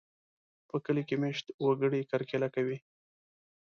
په کلي کې مېشت وګړي کرکېله کوي.